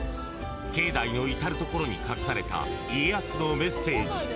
境内の至るところに隠された家康のメッセージ。